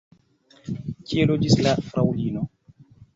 Kie loĝis la fraŭlino?